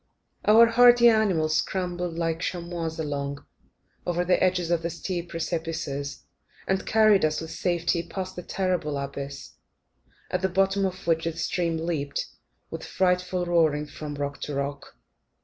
Our hardy animals scrambled like chamois along, over the edges of the steep precipices, and carried us with safety past the terrible abyss, at the bottom of which the stream leapt, with a frightful roaring, from rock to rock.